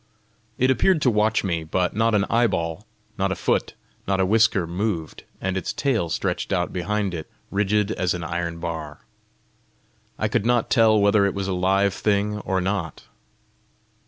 It appeared to watch me, but not an eyeball, not a foot, not a whisker moved, and its tail stretched out behind it rigid as an iron bar. I could not tell whether it was a live thing or not.